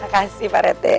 makasih pak rete